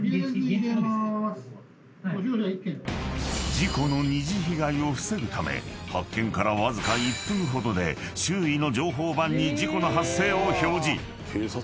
［事故の２次被害を防ぐため発見からわずか１分ほどで周囲の情報板に事故の発生を表示］